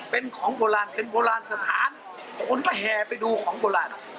เป็นของโบราณเป็นโบราณสถานคนก็แห่ไปดูของโบราณ